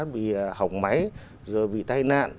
bị hỏng máy rồi bị tai nạn